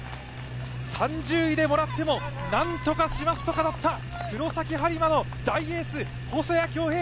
３０位でもらってもなんとかしますと語った黒崎播磨の大エース・細谷恭平。